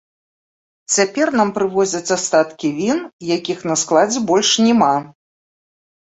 Цяпер нам прывозяць астаткі він, якіх на складзе больш няма.